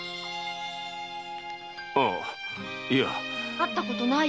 会ったことない？